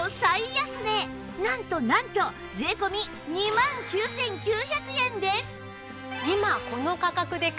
なんとなんと税込２万９９００円です！